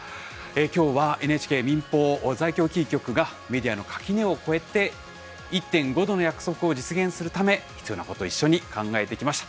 今日はＮＨＫ民放在京キー局がメディアの垣根を越えて「１．５℃の約束」を実現するため必要なことを一緒に考えてきました。